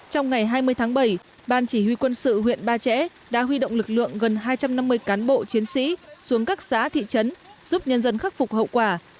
trong ngày hai mươi tháng bảy ban chỉ huy quân sự huyện ba trẻ đã huy động lực lượng gần hai trăm năm mươi cán bộ chiến sĩ xuống các xã thị trấn giúp nhân dân khắc phục hậu quả